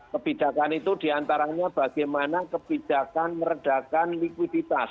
kebijakan itu diantaranya bagaimana kebijakan meredakan likuiditas